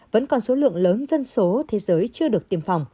hậu quả lớn dân số thế giới chưa được tiêm phòng